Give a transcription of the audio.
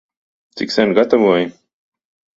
Cik sen gatavoji?